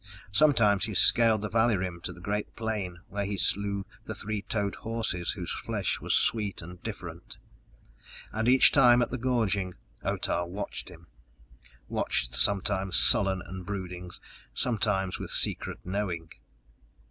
Sometimes he scaled the valley rim to the great plain, where he slew the three toed horses whose flesh was sweet and different. And each time at the gorging Otah watched him watched sometimes sullen and brooding, sometimes with secret knowing.